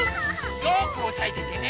よくおさえててね。